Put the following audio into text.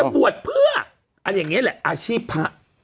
แค่บวชเพื่ออันอย่างเงี้ยแหละอาชีพพระ